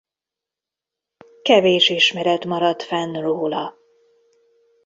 Kevés ismeret maradt fenn róla.